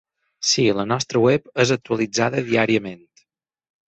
Si, la nostra web és actualitzada diàriament.